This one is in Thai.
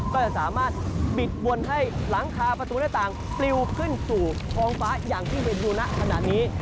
ก็จะสามารถบิดบนให้หลังคาประตูหน้าต่างปลิวขึ้นสู่ท้องฟ้าอย่างที่เห็นดูนะขนาดนี้